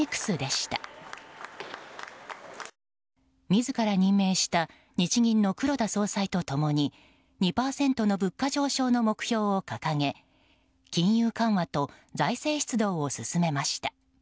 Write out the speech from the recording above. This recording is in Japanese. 自ら任命した日銀の黒田総裁と共に２％の物価上昇の目標を掲げ金融緩和と財政出動を進めました。